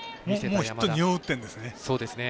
もうヒット２本打ってんですね。